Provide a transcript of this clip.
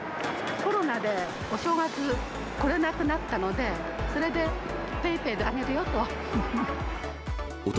コロナでお正月来れなくなったので、それで、ＰａｙＰａｙであげるよと。